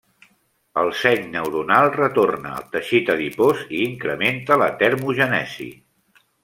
El senyal neuronal retorna al teixit adipós i incrementa la termogènesi.